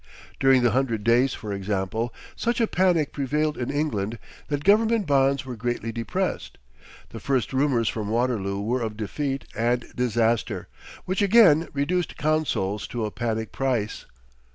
During the "Hundred Days," for example, such a panic prevailed in England that government bonds were greatly depressed. The first rumors from Waterloo were of defeat and disaster, which again reduced consols to a panic price.